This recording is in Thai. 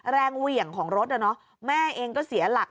แรงเหวี่ยงของรถอ่ะเนาะแม่เองก็เสียหลัก